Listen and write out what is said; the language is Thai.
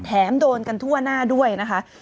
โดนกันทั่วหน้าด้วยนะคะ